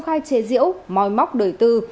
khai chế diễu mòi móc đời tư